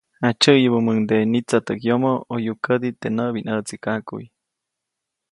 Jaʼtsyäʼyabäʼmuŋde nitsätäʼk yomo ʼoyuʼk kädi teʼ näʼbinʼäʼtsikaʼkuʼy.